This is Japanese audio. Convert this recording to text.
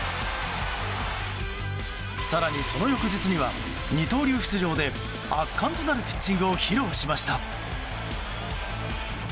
更にその翌日には、二刀流出場で圧巻となるピッチングを披露しました。